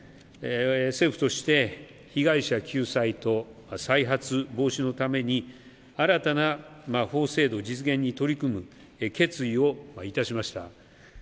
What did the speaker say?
政府として被害者救済と再発防止のために、新たな法制度実現に取り組む決意をいたしました。